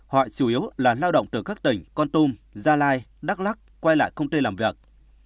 họ chủ yếu là lao động từ các tỉnh con tum gia lai đắk lắc quay lại công ty làm việc